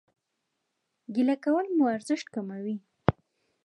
ګيله کول مو ارزښت کموي